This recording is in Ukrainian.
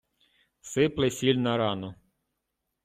Сипле сіль на рану.